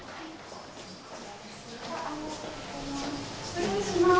失礼します。